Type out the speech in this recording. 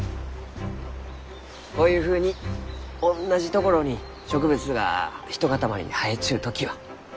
こういうふうにおんなじ所に植物がひとかたまりに生えちゅう時は？